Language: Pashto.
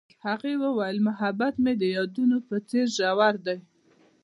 هغې وویل محبت یې د یادونه په څېر ژور دی.